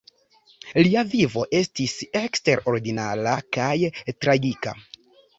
Lia vivo estis eksterordinara kaj tragika.